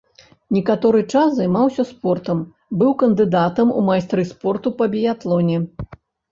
Некаторы час займаўся спортам, быў кандыдатам у майстры спорту па біятлоне.